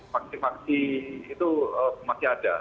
faksi faksi itu masih ada